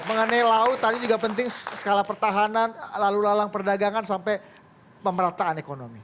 mengenai laut tadi juga penting skala pertahanan lalu lalang perdagangan sampai pemerataan ekonomi